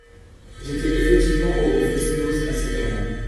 J'étais effectivement au fest-noz à cette heure-là.